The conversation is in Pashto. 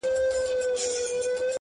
• خدايه ښه نـری بـاران پرې وكړې نن،